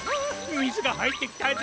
みずがはいってきたぞ！